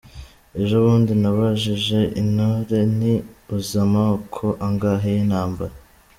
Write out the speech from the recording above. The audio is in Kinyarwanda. Ejobundi nabajije intore nti: Uzi amoko angahe y’intambara?